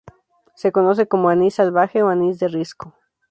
Se conoce como "anís salvaje o anís de risco".